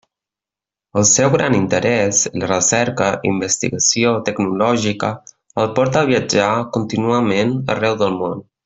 El seu gran interès en la recerca i investigació tecnològica el porta a viatjar contínuament arreu del món.